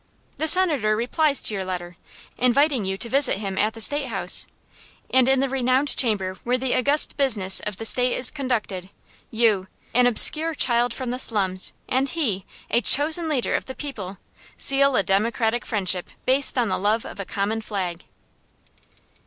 The Senator replies to your letter, inviting you to visit him at the State House; and in the renowned chamber where the august business of the State is conducted, you, an obscure child from the slums, and he, a chosen leader of the people, seal a democratic friendship based on the love of a common flag.